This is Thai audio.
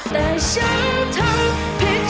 แต่ฉันทำผิด